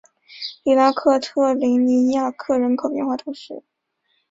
里拉克特雷尼亚克人口变化图示